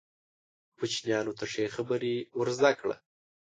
کوچنیانو ته ښې خبرې ور زده کړه.